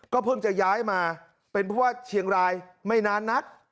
เพิ่งจะย้ายมาเป็นผู้ว่าเชียงรายไม่นานนัก